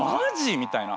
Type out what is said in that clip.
みたいな。